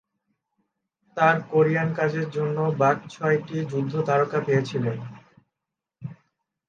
তার কোরিয়ান কাজের জন্য বাক ছয়টি যুদ্ধ তারকা পেয়েছিলেন।